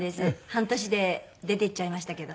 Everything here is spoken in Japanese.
半年で出て行っちゃいましたけど。